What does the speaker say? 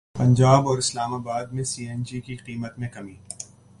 پنجاب اور اسلام اباد میں C N G کی قیمت میں کمی